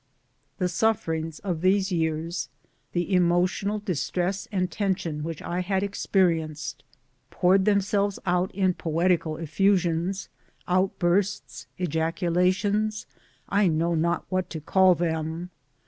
The sufferings of these years, the emotional dis tress and tension which I had experienced, poured themselves out in poetical effusions, outbursts, ejacu lations I know not what to call them 1